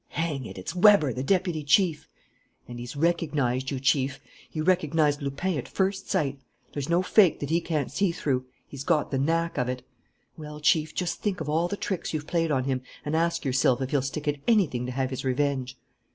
"Hang it, it's Weber, the deputy chief!" "And he's recognized you, Chief! He recognized Lupin at first sight. There's no fake that he can't see through. He's got the knack of it. Well, Chief, just think of all the tricks you've played on him and ask yourself if he'll stick at anything to have his revenge!"